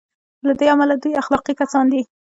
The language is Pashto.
له دې امله دوی اخلاقي کسان دي.